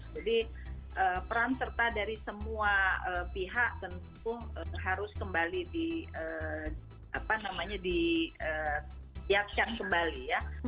jadi peran serta dari semua pihak dan hukum harus kembali di siapkan kembali ya